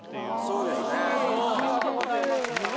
うれしいありがとうございます。